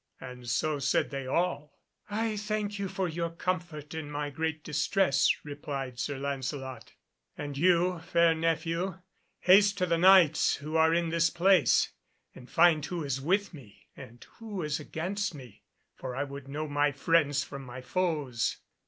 And so said they all. "I thank you for your comfort in my great distress," replied Sir Lancelot, "and you, fair nephew, haste to the Knights who are in this place, and find who is with me and who is against me, for I would know my friends from my foes."